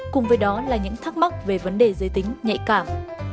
cùng với đó là những thắc mắc về vấn đề giới tính nhạy cảm